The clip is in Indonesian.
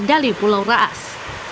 di pulau ras